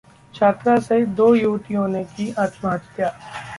छात्रा सहित दो युवतियों ने की आत्महत्या